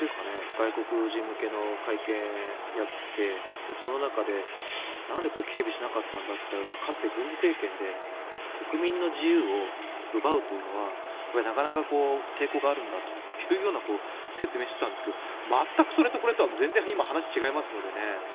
外国人向けの会見をやってその中で、なんで警備しなかったんだというとかつて軍事政権で国民の自由を奪うというのはなかなか抵抗があるんだというような説明をしていたんですが全くそれとこれとは話が違いますからね。